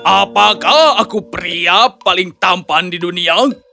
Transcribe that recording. apakah aku pria paling tampan di dunia